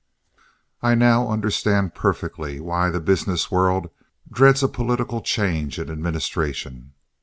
I now understand perfectly why the business world dreads a political change in administration.